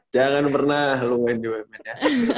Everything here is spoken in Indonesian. jangan pernah lu main di website ya